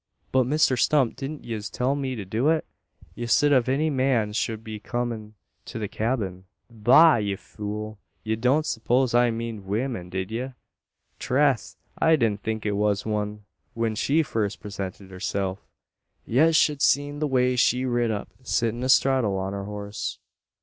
"But, Misther Stump, didn't yez till me to do it? Ye sid if any wan showld come to the cyabin " "Bah! ye fool! Ye don't serpose I meened weemen, did ye?" "Trath! I didn't think it wus wan, whin she furst presented hersilf. Yez showld a seen the way she rid up sittin' astraddle on her horse."